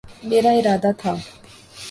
میرا ارادہ تھا